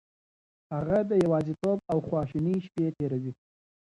هغه د يوازيتوب او خواشينۍ شپې تېروي.